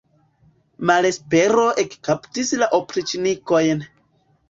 Malespero ekkaptis la opriĉnikojn.